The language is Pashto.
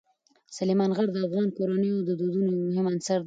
سلیمان غر د افغان کورنیو د دودونو یو مهم عنصر دی.